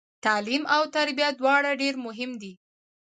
تعلیم او تربیه دواړه ډیر مهم دي